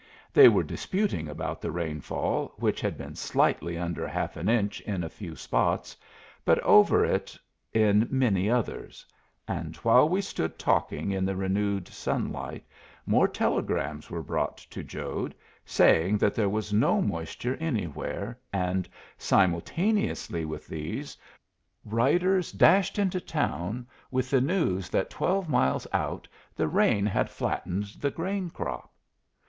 They were disputing about the rainfall, which had been slightly under half an inch in a few spots, but over it in many others; and while we stood talking in the renewed sunlight, more telegrams were brought to Jode, saying that there was no moisture anywhere, and simultaneously with these, riders dashed into town with the news that twelve miles out the rain had flattened the grain crop.